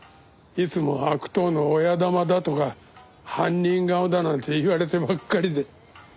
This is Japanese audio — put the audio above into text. いつも悪党の親玉だとか犯人顔だなんて言われてばっかりで。